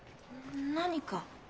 何か？